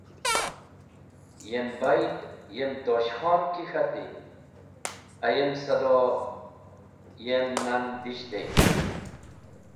Yem bayd yem Tosh Khon ki k̃hati, ayem sado yem nan dishtey.